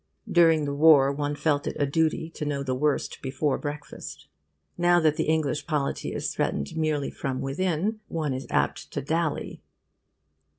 During the War one felt it a duty to know the worst before breakfast; now that the English polity is threatened merely from within, one is apt to dally....